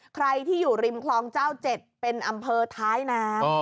ใครที่อยู่ริมคลองเจ้า๗เป็นอำเภอท้ายน้ำ